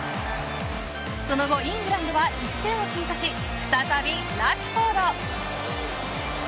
その後イングランドは１点を追加し再びラシュフォード。